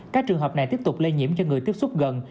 các trường hợp này tiếp tục lây nhiễm cho người tiếp xúc gần